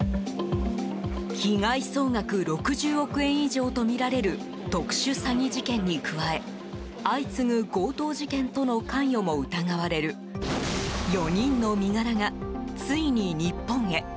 被害総額６０億円以上とみられる特殊詐欺事件に加え相次ぐ強盗事件との関与も疑われる４人の身柄が、ついに日本へ。